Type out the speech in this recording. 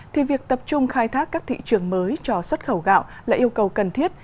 thì việc tập trung khai thác các thị trường mới cho xuất khẩu gạo là yêu cầu cần thiết